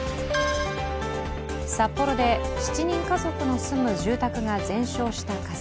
札幌で７人家族が住む住宅が全焼した火災。